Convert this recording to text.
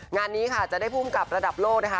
งานนี้ค่ะจะได้ภูมิกับระดับโลกนะคะ